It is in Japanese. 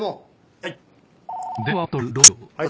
はい。